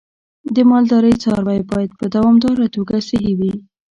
د مالدارۍ څاروی باید په دوامداره توګه صحي وي.